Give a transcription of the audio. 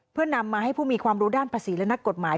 เพื่อนำมาให้ผู้มีความรู้ด้านภาษีและนักกฎหมาย